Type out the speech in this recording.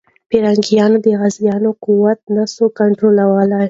پرنګیان د غازيانو قوت نه سو کنټرولولی.